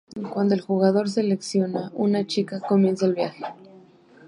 Cuando el jugador selecciona una chica, comienza el viaje.